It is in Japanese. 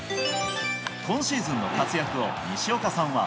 今シーズンの活躍を西岡さん